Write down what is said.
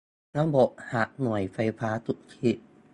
ระบบหักลบหน่วยไฟฟ้าสุทธิ